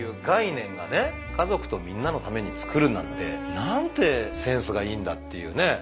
家族とみんなのために造るなんて何てセンスがいいんだっていうね。